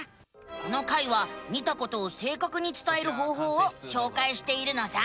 この回は見たことをせいかくにつたえる方法をしょうかいしているのさ。